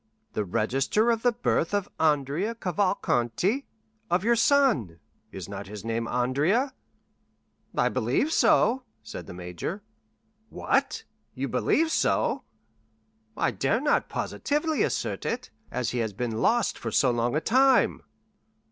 "The register of the birth of Andrea Cavalcanti—of your son; is not his name Andrea?" "I believe so," said the major. "What? You believe so?" "I dare not positively assert it, as he has been lost for so long a time."